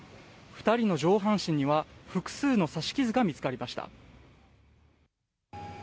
２人の上半身には複数の刺し傷が見つかりました。